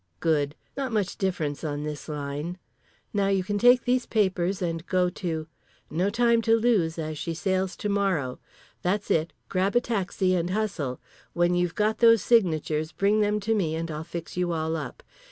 Good. Not much difference on this line. Now you can take these papers and go to…. No time to lose, as she sails to morrow. That's it. Grab a taxi, and hustle. When you've got those signatures bring them to me and I'll fix you all up.